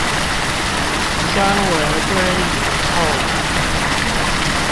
身為鮭魚控